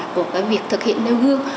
của cái việc thực hiện nêu gương